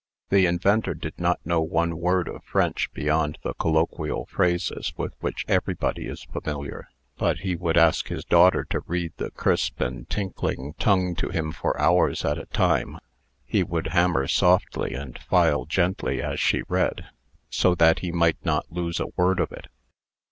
The inventor did not know one word of French beyond the colloquial phrases with which everybody is familiar; but he would ask his daughter to read the crisp and tinkling tongue to him for hours at a time. He would hammer softly and file gently as she read, so that he might not lose a word of it.